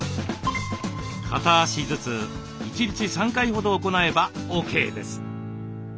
片足ずつ１日３回ほど行えばＯＫです。